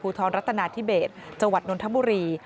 ทรรัฐนาธิเบสจังหวัดนนทบุรี